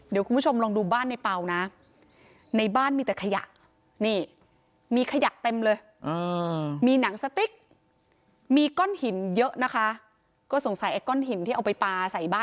เดี๋ยวคุณผู้ชมลองดูบ้านนายเป่านะในบ้านมีแต่ขยะ